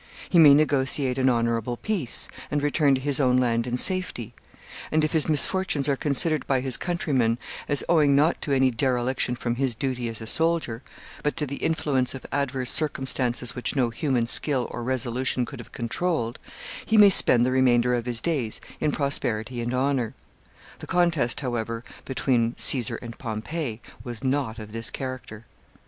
He may negotiate an honorable peace, and return to his own land in safety; and, if his misfortunes are considered by his countrymen as owing not to any dereliction from his duty as a soldier, but to the influence of adverse circumstances which no human skill or resolution could have controlled, he may spend the remainder of his days in prosperity and honor. The contest, however, between Caesar and Pompey was not of this character.